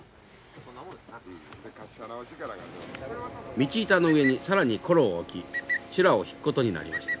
道板の上に更に転木を置き修羅を引くことになりました。